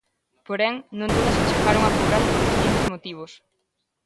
Porén, non todas se chegaron a cobrar por distintos motivos.